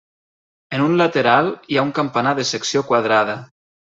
En un lateral hi ha un campanar de secció quadrada.